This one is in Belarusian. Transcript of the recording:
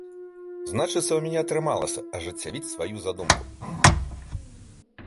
Значыцца, у мяне атрымалася ажыццявіць сваю задумку.